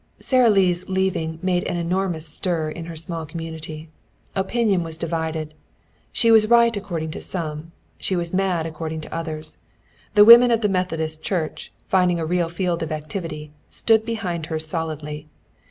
Sara Lee's leaving made an enormous stir in her small community. Opinion was divided. She was right according to some; she was mad according to others. The women of the Methodist Church, finding a real field of activity, stood behind her solidly.